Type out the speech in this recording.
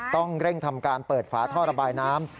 ต้องเร่งทำการเปิดฝาท่อระบายน้ำ